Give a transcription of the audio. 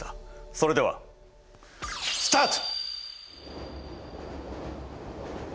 それではスタート！